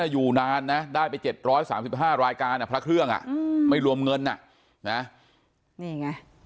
อยู่นานนะได้ไปเจ็ดร้อยสามสิบห้ารายการอ่ะพระเครื่องอ่ะอืมไม่รวมเงินอ่ะนี่ไง